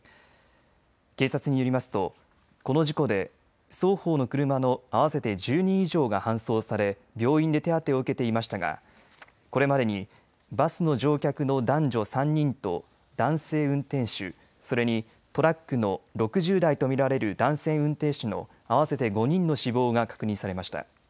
警察によりますとこの事故で双方の車の合わせて１０人以上が搬送され病院で手当てを受けていましたがこれまでにバスの乗客の男女３人と男性運転手それにトラックの６０代と見られる男性運転手の合わせて５人の死亡が確認されました。